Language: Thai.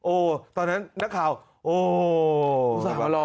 โอ้ตอนนั้นนักข่าวโอ้มารอ